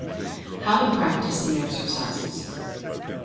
HOW TO PRACTICE THE EXERCISES.